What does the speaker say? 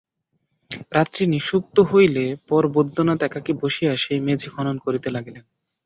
রাত্রি নিষুপ্ত হইলে পর বৈদ্যনাথ একাকী বসিয়া সেই মেঝে খনন করিতে লাগিলেন।